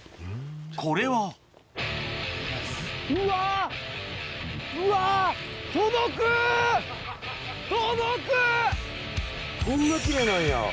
これはこんな奇麗なんや。